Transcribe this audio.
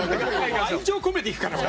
愛情込めていくから。